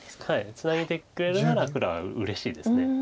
ツナいでくれるなら黒はうれしいです。